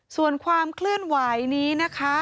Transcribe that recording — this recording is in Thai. ส่วนความเคลื่อนไหวนี้นะคะ